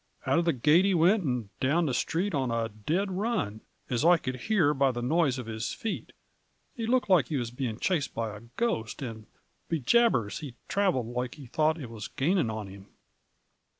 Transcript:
Out of the gate he wint and down the street on a dead run, as I could hear by the noise of his feet. He looked loike he was being chased by a ghost, and, be jabers, he thraveled like he thought it was gaining on him